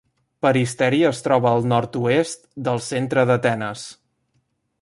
Peristeri es troba al nord-oest del centre d'Atenes.